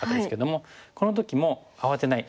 この時も慌てない。